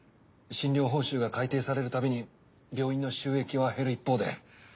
診療報酬が改定されるたびに病院の収益は減る一方で。